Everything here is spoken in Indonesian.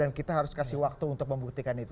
dan kita harus kasih waktu untuk membuktikan itu